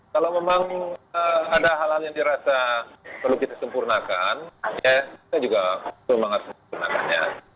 kalau memang ada hal hal yang dirasa perlu kita sempurnakan kita juga semangat sempurnakannya